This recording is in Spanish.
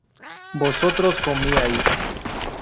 vosotros comíais